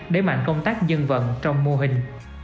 để mạnh công tác dân vận trong mô hình